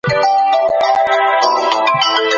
شجاع الدوله ولي د افغانانو پلوی سو؟